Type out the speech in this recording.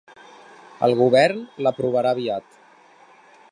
El govern l’aprovarà aviat.